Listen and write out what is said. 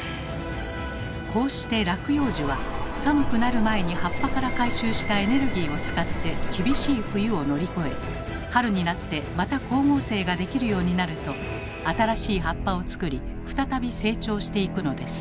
こうして落葉樹は寒くなる前に葉っぱから回収したエネルギーを使って厳しい冬を乗り越え春になってまた光合成ができるようになると新しい葉っぱを作り再び成長していくのです。